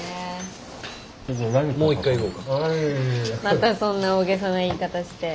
またそんな大げさな言い方して。